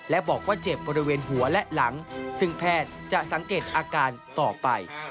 และบอกว่าเจ็บบริเวณหัวและหลังซึ่งแพทย์จะสังเกตอาการต่อไป